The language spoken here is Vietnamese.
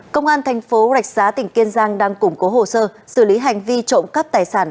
công an thành phố rạch giá tỉnh kiên giang đang củng cố hồ sơ xử lý hành vi trộm cắp tài sản